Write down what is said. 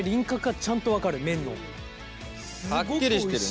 すごくおいしい。